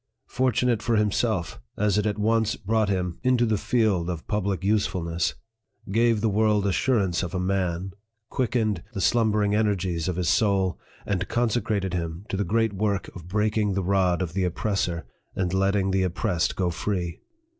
fortu tunate for himself, as it at once brought him into the 897 IV PREFACE. field of public usefulness, " gave the world assurance of a MAN," quickened the slumbering energies of his soul, and consecrated him to the great work of break ing the rod of the oppressor, and letting the oppressed go free